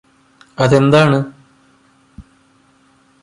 അത് എന്താണ്